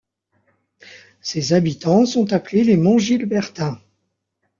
Ses habitants sont appelés les Montgilbertins.